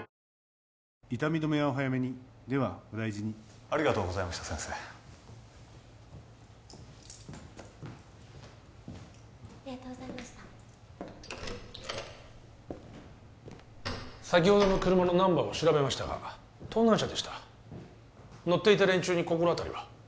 痛み止めはお早めにではお大事にありがとうございました先生ありがとうございました先ほどの車のナンバーを調べましたが盗難車でした乗っていた連中に心当たりは？